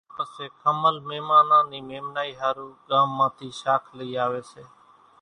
پسي کمل ميمانان نِي ميمنائِي ۿارُو ڳام مان ٿِي شاک لئِي آويَ سي۔